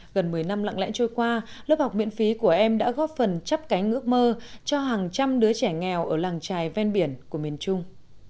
gần một mươi năm lặng lẽ trôi qua lớp học miễn phí của em đã góp phần chấp cánh ước mơ cho hàng trăm đứa trẻ nghèo ở làng trài ven biển của miền trung